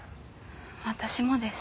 私もです。